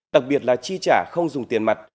đặc biệt là chi trả không dùng tiền mặt